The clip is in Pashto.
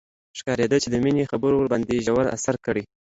ښکارېده چې د مينې خبرو ورباندې ژور اثر کړی.